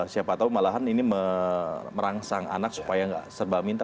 siapa tahu malahan ini merangsang anak supaya nggak serba minta